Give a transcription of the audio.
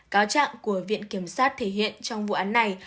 cáo trạng của viện kiểm sát thể hiện trong vụ án này